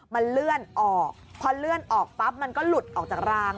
มันเลื่อนออกพอเลื่อนออกปั๊บมันก็หลุดออกจากราง